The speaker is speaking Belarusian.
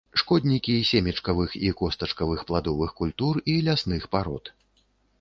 Шкоднікі семечкавых і костачкавых пладовых культур і лясных парод.